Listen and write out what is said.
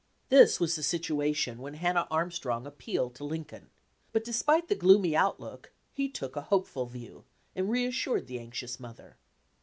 This was the situation when Hannah Arm strong appealed to Lincoln; but despite the gloomy outlook, he took a hopeful view and re assured the anxious mother.